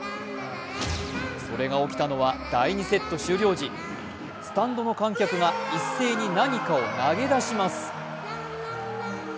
それが起きたのは第２セット終了時スタンドの観客が一斉に何かを投げ出します。